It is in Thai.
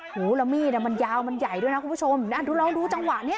หูแล้วมีดอ่ะมันยาวมันใหญ่ด้วยนะคุณผู้ชมดูเราดูจังหวะเนี้ย